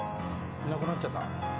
いなくなっちゃった？